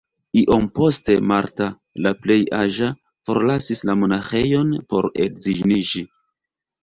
Iom poste Martha, la plej aĝa, forlasis la monaĥejon por edziniĝi.